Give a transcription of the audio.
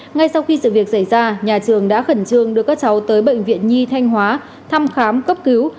ngay sau khi sự việc xảy ra nhà trường đã khẩn trương đưa các cháu tới bệnh viện nhi thanh hóa thăm khám cấp cứu